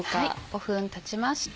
５分たちました。